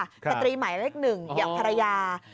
ค่ะค่ะสตรีหมายเลขหนึ่งอย่างภรรยา